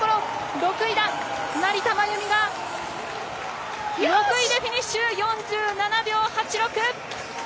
６位だ、成田真由美が６位でフィニッシュ４７秒８６！